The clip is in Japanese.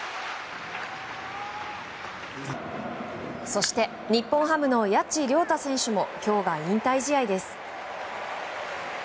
そして日本ハムの谷内亮太選手も今日が引退試合です。